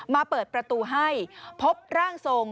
มาเปิดประตูให้พบร่างทรง